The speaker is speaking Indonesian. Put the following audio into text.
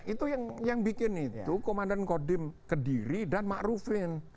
itu yang bikin itu komandan kodim kediri dan ma'rufin